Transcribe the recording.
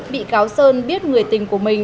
bị cáo sơn biết người tình của mình